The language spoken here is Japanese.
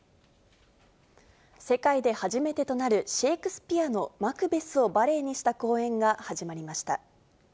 世界で初めてとなる、シェークスピアのマクベスをバレエにした公演が始まりました。